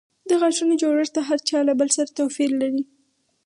د غاښونو جوړښت د هر چا له بل سره توپیر لري.